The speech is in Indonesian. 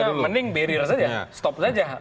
dari sini mending barrier saja stop saja